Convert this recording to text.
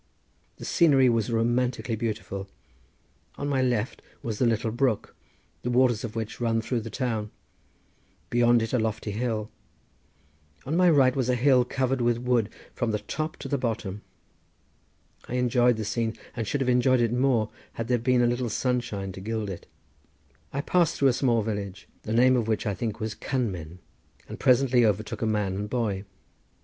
The scenery was romantically beautiful: on my left was the little brook, the waters of which run through the town; beyond it a lofty hill; on my right was a hill covered with wood from the top to the bottom. I enjoyed the scene, and should have enjoyed it more had there been a little sunshine to gild it. I passed through a small village, the name of which I think was Cynmen, and presently overtook a man and boy.